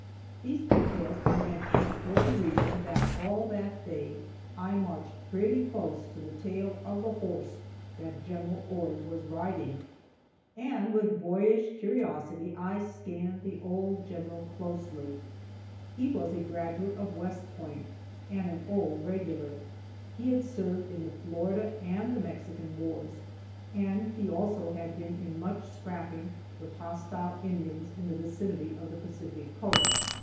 These details are mentioned for the reason that all that day I marched pretty close to the tail of the horse that Gen. Ord was riding, and with boyish curiosity, I scanned the old general closely. He was a graduate of West Point, and an old regular. He had served in the Florida and the Mexican wars, and he also had been in much scrapping with hostile Indians in the vicinity of the Pacific Coast.